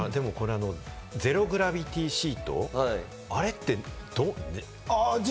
ゼログラビティシート、あれって、どう？